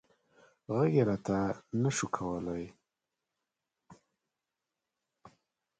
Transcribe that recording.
غږ یې راته نه شو کولی.